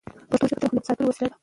پښتو ژبه د هویت ساتلو وسیله ده.